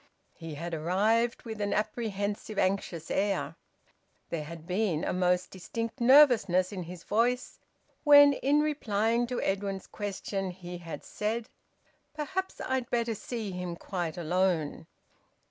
He had arrived with an apprehensive, anxious air. There had been a most distinct nervousness in his voice when, in replying to Edwin's question, he had said, "Perhaps I'd better see him quite alone."